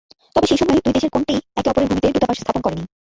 তবে সেই সময়েই দুই দেশের কোনটিই, একে অপরের ভূমিতে দূতাবাস স্থাপন করে নি।